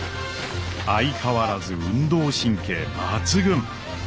相変わらず運動神経抜群！